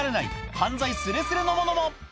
犯罪すれすれのものも！